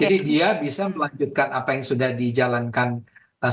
jadi dia bisa melanjutkan apa yang sudah dijalankan selama ini